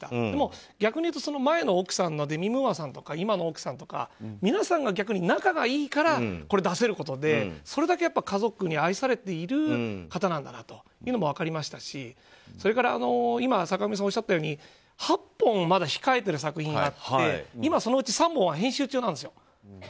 でも、逆に言うと前の奥さんのデミ・ムーアさんとか今の奥さんとか皆さんが逆に仲がいいからこれ、出せることでそれだけやっぱり家族に愛されている方なんだなということも分かりましたしそれから、今坂上さんがおっしゃったように８本、まだ控えてる作品があって今、そのうち３本はまだ編集中なんですよ。